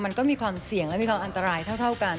มันก็มีความเสี่ยงและมีความอันตรายเท่ากัน